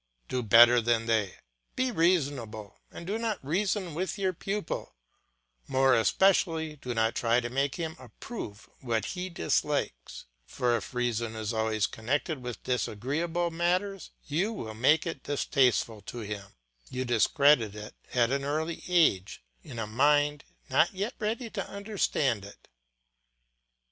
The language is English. Do better than they; be reasonable, and do not reason with your pupil, more especially do not try to make him approve what he dislikes; for if reason is always connected with disagreeable matters, you make it distasteful to him, you discredit it at an early age in a mind not yet ready to understand it.